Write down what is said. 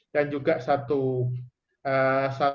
dan juga satu kebijakan yang harus diperlukan